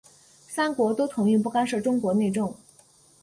三国都同意不干涉中国内政。